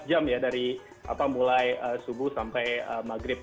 delapan belas jam ya dari mulai subuh sampai maghrib